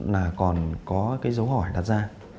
là còn có cái dấu hỏi đặt ra